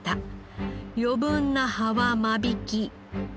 余分な葉は間引き。